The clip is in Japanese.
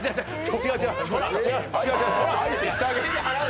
違う。